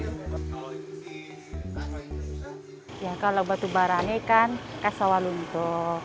ya kalau batubara ini kan di sawalunto